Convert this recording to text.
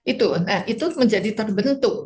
itu itu menjadi terbentuk